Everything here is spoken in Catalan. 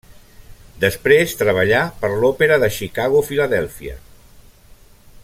Després treballà per l'òpera de Chicago–Filadèlfia.